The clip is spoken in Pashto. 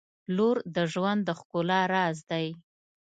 • لور د ژوند د ښکلا راز دی.